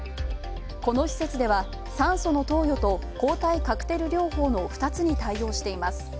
この施設では、酸素の投与と抗体カクテル療法の２つに対応しています。